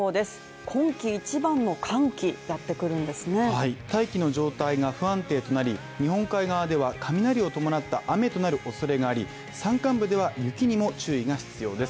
大気の状態が不安定となり、日本海側では雷を伴った雨となるおそれがあり、山間部では雪にも注意が必要です。